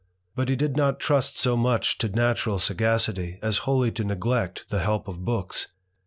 But he did not trust so much to natural sagacity a^ wholly to neglect the help of books.